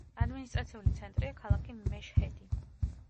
ადმინისტრაციული ცენტრია ქალაქი მეშჰედი.